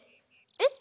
えっ。